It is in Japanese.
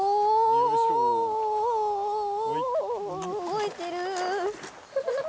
動いてる。